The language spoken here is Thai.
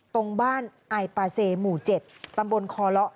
ตรงบ้านไอปาเซหมู่๗ตำบลคอเลาะ